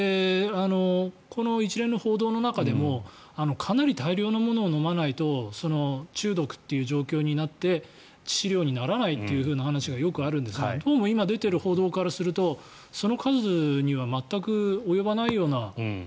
この一連の報道の中でもかなり大量のものを飲まないと中毒という状況になって致死量にならないという話がよくあるんですがどうも今出ている報道からするとその数には全く及ばないような。